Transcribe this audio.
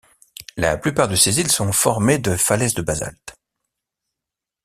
La plupart de ces îles sont formées de falaises de basalte.